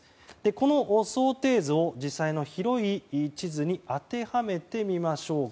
この想定図を、実際の広い地図に当てはめてみましょうか。